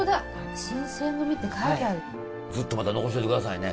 ずっとまた残しといてくださいね。